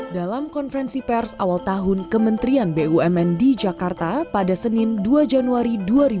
dalam konferensi pers awal tahun kementerian bumn di jakarta pada senin dua januari dua ribu dua puluh